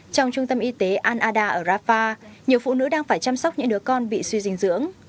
trong trung tâm y tế al adda ở rafah nhiều phụ nữ đang phải chăm sóc những đứa con bị suy dinh dưỡng